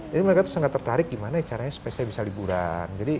jadi mereka tuh sangat tertarik gimana caranya spesial bisa liburan